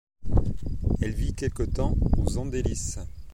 Elle vit quelques temps aux Andelys.